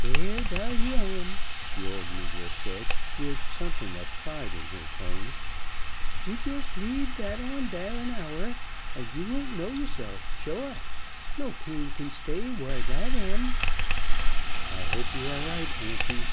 "Dar, dar yo' am," the old negress said with something of pride in her tone. "Yo' jis' leab dat on dar an hour, and yo' won't know yo'se'f, shua. No pain kin stay whur dat am." "I hope you are right, auntie.